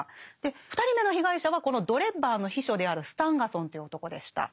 ２人目の被害者はこのドレッバーの秘書であるスタンガソンという男でした。